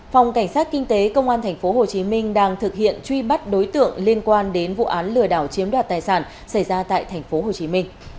phòng cảnh sát kinh tế công an tp hcm đang thực hiện truy bắt đối tượng liên quan đến vụ án lừa đảo chiếm đoạt tài sản xảy ra tại tp hcm